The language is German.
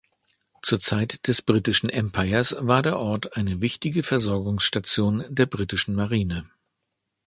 Zur Zeit des Britischen Empires war der Ort eine wichtige Versorgungsstation der britischen Marine.